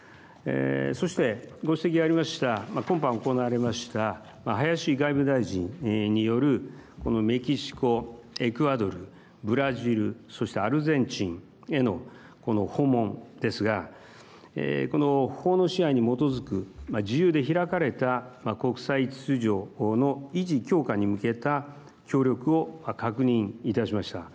そして、ご指摘がありました今般行われました林外務大臣によるこのメキシコ、エクアドル、ブラジル、そしてアルゼンチンへの訪問ですがこの法の支配に基づく自由で開かれた国際秩序の維持、強化に向けた協力を確認いたしました。